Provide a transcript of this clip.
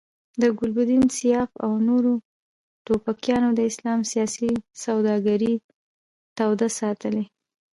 د ګلبدین، سیاف او نورو توپکیانو د اسلام سیاسي سوداګري توده ساتلې.